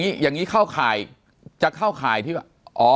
อ๋อแล้วอย่างนี้เข้าข่ายจะเข้าข่ายที่ว่า